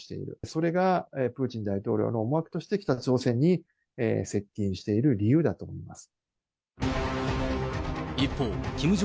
それがプーチン大統領の思惑として、北朝鮮に接近している理由だと思います。